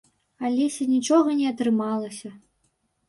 Алеся нічога не атрымалася.